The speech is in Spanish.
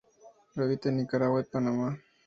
Habita en Nicaragua y Panamá.